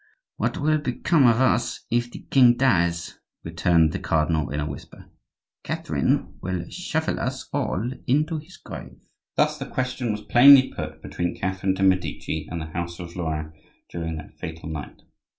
"What will become of us if the king dies?" returned the cardinal, in a whisper. "Catherine will shovel us all into his grave." Thus the question was plainly put between Catherine de' Medici and the house of Lorraine during that fatal night.